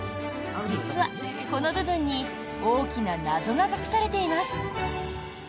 実は、この部分に大きな謎が隠されています。